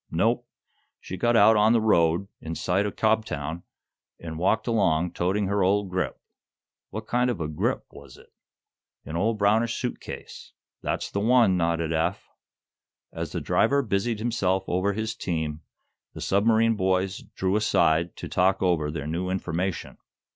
"Nope; she got out on the road, in sight o' Cobtown, an' walked along, toting her old grip." "What kind of a 'grip' was it?" "An old brownish suit case." "That's the one," nodded Eph. As the driver busied himself over his team, the submarine boys drew aside to talk over their new information.